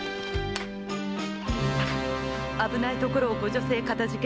危ないところをご助勢かたじけない。